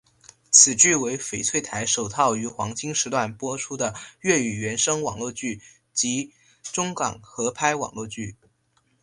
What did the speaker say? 此剧为翡翠台首套于黄金时段播出的粤语原声网络剧及中港合拍网络剧。